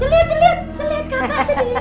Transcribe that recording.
ini kasih ke kakak